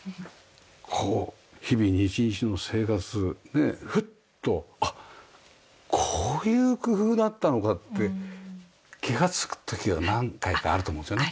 こう日々日日の生活フッと「あっこういう工夫だったのか」って気がつく時が何回かあると思うんですよね。